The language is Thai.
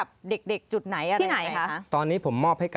สนุนโดยอีซุสุข